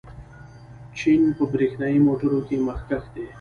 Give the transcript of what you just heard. چین په برېښنايي موټرو کې مخکښ دی.